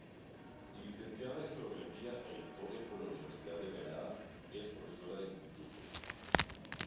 Licenciada en Geografía e Historia por la Universidad de Granada, es profesora de instituto.